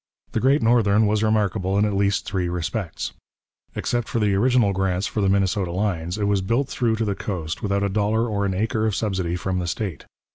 The Great Northern was remarkable in at least three respects. Except for the original grants for the Minnesota lines, it was built through to the coast without a dollar or an acre of subsidy from the state.